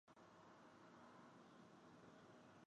关系的紧张源于双方对新国家的构想完全不同。